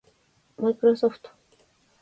マイクロソフト